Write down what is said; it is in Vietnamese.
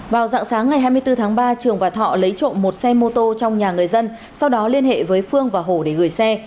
vào dạng sáng ngày hai mươi bốn tháng ba trường và thọ lấy trộm một xe mô tô trong nhà người dân sau đó liên hệ với phương và hồ để gửi xe